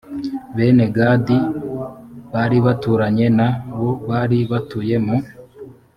bene gadi a bari baturanye na bo bari batuye mu